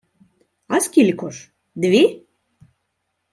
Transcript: — А скілько ж? Дві?!